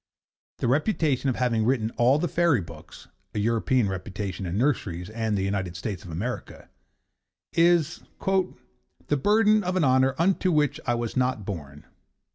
The reputation of having written all the fairy books (an European reputation in nurseries and the United States of America) is 'the burden of an honour unto which I was not born.